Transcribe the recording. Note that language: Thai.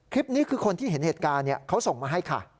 คลิปนี้คือคนที่เห็นเหตุการณ์เขาส่งมาให้ค่ะ